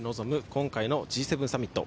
今回のＧ７サミット。